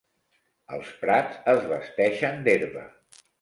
Els prats es vesteixen d'herba.